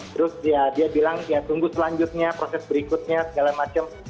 terus dia bilang ya tunggu selanjutnya proses berikutnya segala macam